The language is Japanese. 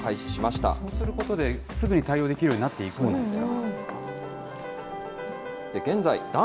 そうすることで、すぐに対応できるようになっていくんですね。